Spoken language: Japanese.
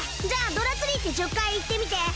じゃあドラツリーって１０回言ってみて！